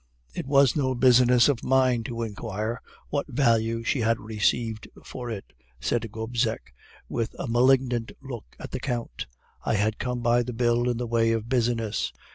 "'It was no business of mine to inquire what value she had received for it,' said Gobseck, with a malignant look at the Count. 'I had come by the bill in the way of business.